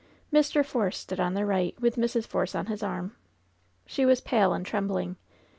Mr. Force stood on their right, vrith Mrs. Force on his arm. She was pale and trembling.